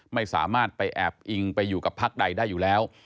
ไม่สามารถไปแอบอิงไปอยู่กับพักใดได้อยู่แล้ว